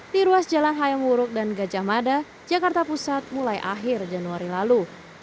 di ruas jalan hayam wuruk dan gajah mada jakarta pusat mulai akhir januari lalu